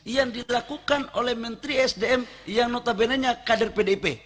yang dilakukan oleh menteri sdm yang notabene nya kader pdip